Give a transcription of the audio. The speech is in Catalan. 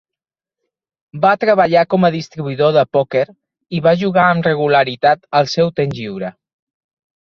Va treballar com a distribuïdor de pòquer i va jugar amb regularitat al seu temps lliure.